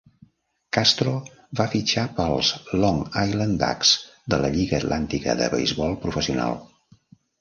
Castro va fitxar pels Long Island Ducks de la Lliga Atlàntica de Beisbol Professional.